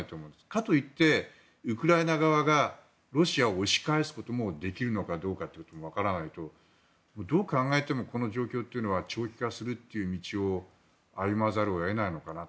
かといって、ウクライナ側がロシアを押し返すこともできるのかどうかということもわからないとどう考えてもこの状況というのは長期化するという道を歩まざるを得ないのかな。